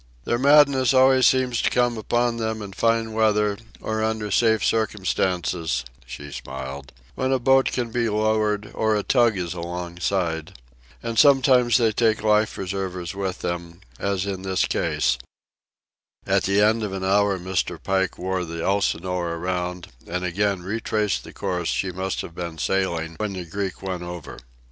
"Their madness always seems to come upon them in fine weather or under safe circumstances," she smiled, "when a boat can be lowered or a tug is alongside. And sometimes they take life—preservers with them, as in this case." At the end of an hour Mr. Pike wore the Elsinore around, and again retraced the course she must have been sailing when the Greek went over.